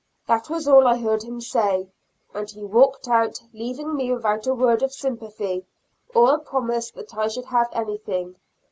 That was all I heard him say, and he walked out, leaving me without a word of sympathy, or a promise that I should have anything.